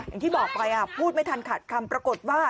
อย่างที่บอกไปพูดไม่ทันขาดคำปรากฏว่า